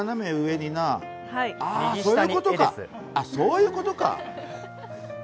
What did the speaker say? ああ、そういうことか！